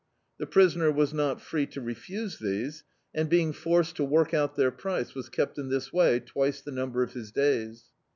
The prisoner was not free to refuse these, and being forced to work out their price, was kept in this way twice the number of his days.